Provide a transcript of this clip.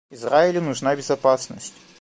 Израилю нужна безопасность.